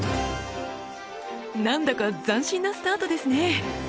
なんだか斬新なスタートですね。